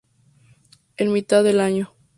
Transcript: En mitad del año.